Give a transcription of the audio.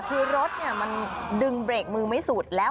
คือรถมันดึงเบรกมือไม่สุดแล้ว